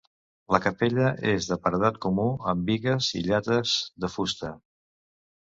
La capella és de paredat comú, amb bigues i llates de fusta.